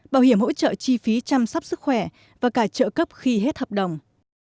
bảo hiểm hỗ trợ chi phí chăm sóc sức khỏe và cả trợ cấp khi hết hợp đồng